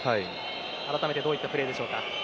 改めてどういったプレーでしょうか。